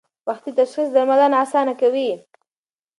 وختي تشخیص درملنه اسانه کوي.